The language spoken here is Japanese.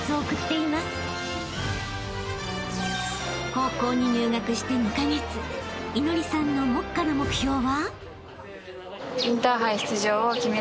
［高校に入学して２カ月祈愛さんの目下の目標は？］